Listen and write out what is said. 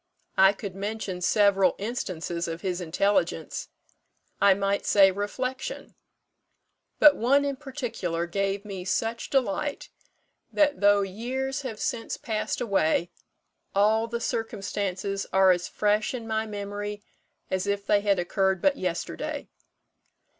I could mention several instances of his intelligence I might say, reflection; but one in particular gave me such delight that, though years have since passed away, all the circumstances are as fresh in my memory as if they had occurred but yesterday.